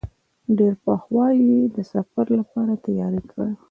ډېر پخوا یې د سفر لپاره تیاری کړی و.